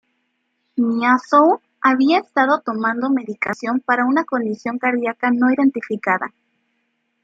Nyýazow había estado tomando medicación para una condición cardíaca no identificada.